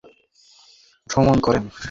তিনি তুরস্ক সহ কয়েকটি মুসলিম দেশ ভ্রমণ করেন।